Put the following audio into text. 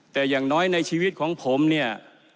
แต่อย่างน้อยในชีวิตของผมเนี่ย